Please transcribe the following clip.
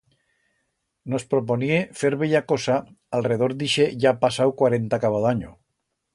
Nos proponié fer bella cosa alredor d'ixe ya pasau cuarenta cabo d'anyo.